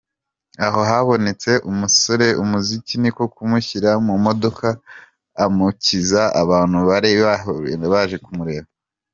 aho habonetse umusore umuzi niko kumushyira mu modoka amukiza abantu bari bahuruye baje kumureba.